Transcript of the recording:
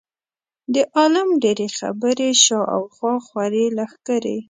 د عالم ډېرې خبرې شا او خوا خورې لښکرې.